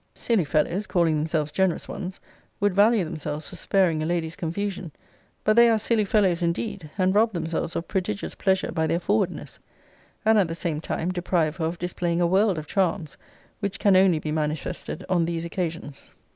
Silly fellows, calling themselves generous ones, would value themselves for sparing a lady's confusion: but they are silly fellows indeed; and rob themselves of prodigious pleasure by their forwardness; and at the same time deprive her of displaying a world of charms, which can only be manifested on these occasions.